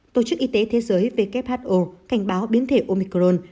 tổ chức y tế thế giới who cảnh báo biến thể omicron